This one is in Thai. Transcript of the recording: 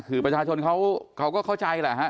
คือประชาชนเขาก็เข้าใจแหละฮะ